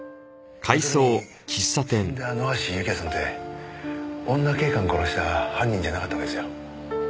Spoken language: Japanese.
要するに死んだ野橋幸也さんって女警官殺した犯人じゃなかったわけですよ。